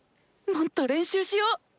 もっと練習しよう！